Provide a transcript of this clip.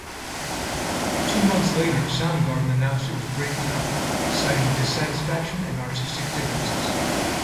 Two months later, Soundgarden announced it was breaking up, citing dissatisfaction and artistic differences.